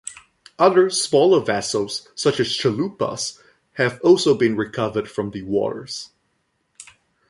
Other, smaller vessels, such as chalupas, have also been recovered from the waters.